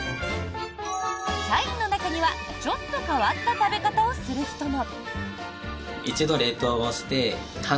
社員の中には、ちょっと変わった食べ方をする人も。